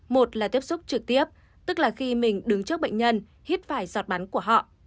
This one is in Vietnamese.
một là tiếp xúc trực tiếp tức là khi mình đứng trước bệnh nhân hít phải giọt bắn của họ